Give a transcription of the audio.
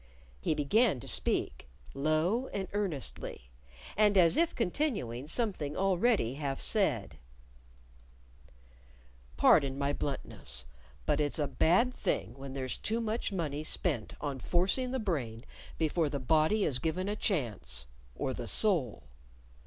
He began to speak, low and earnestly, and as if continuing something already half said: "Pardon my bluntness, but it's a bad thing when there's too much money spent on forcing the brain before the body is given a chance or the soul.